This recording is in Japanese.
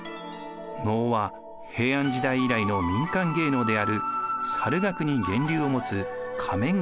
能は平安時代以来の民間芸能である猿楽に源流を持つ仮面劇です。